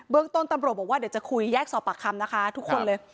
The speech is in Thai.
ต้นตำรวจบอกว่าเดี๋ยวจะคุยแยกสอบปากคำนะคะทุกคนเลย